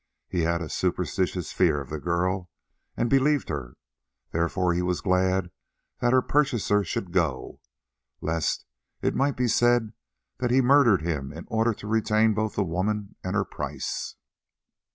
He had a superstitious fear of the girl, and believed her; therefore he was glad that her purchaser should go, lest it might be said that he had murdered him in order to retain both the woman and her price.